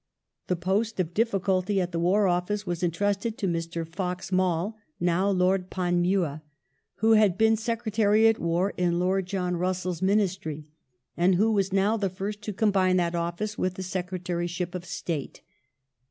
The post of difficulty at the War Office was eiiti usted to Mr. Fox Maule (now Lord Panmure), who had been Secretary at War in Lord John Russell's Ministry, and who was now the first to combine that office with the Secretaryship of State.